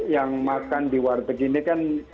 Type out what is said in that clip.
yang makan di warteg ini kan